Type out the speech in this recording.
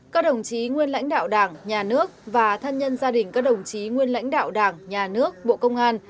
các đồng chí nguyên lãnh đạo đảng nhà nước và thân nhân gia đình các đồng chí nguyên lãnh đạo đảng nhà nước bộ công an